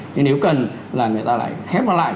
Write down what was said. nếu cần là người ta lại khép nó lại